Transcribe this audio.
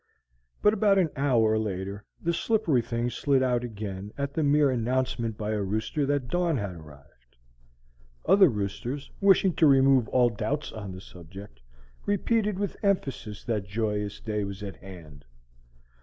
But about an hour later the slippery thing slid out again at the mere announcement by a rooster that dawn had arrived. Other roosters, wishing to remove all doubts on the subject, repeated with emphasis that joyous day was at hand.